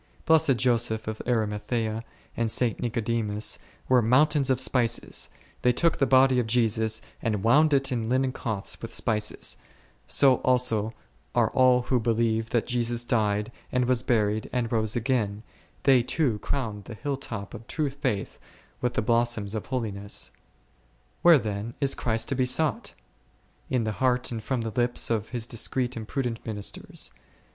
Blessed Joseph of Arimathea and St. Nicodemus were mountains of spices, they took the body of Jesus and wound it in linen clothes with spices ; so also are all who believe that Jesus died and was buried and rose again, they too crown the hill top of true faith with the blossoms of holiness. o o — ©n i^olg ITtrgtmts* 21 Where then is Christ to be sought ? In the heart and from the lips of His discreet and prudent ministers.